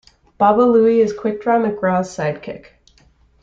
Baba Looey is Quick Draw McGraw's sidekick.